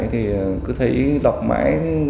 thì cứ thấy đọc mãi